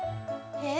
えっ？